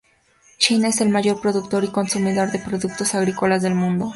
China es el mayor productor y consumidor de productos agrícolas del mundo.